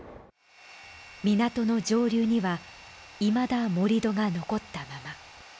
港の上流には、いまだ盛り土が残ったまま。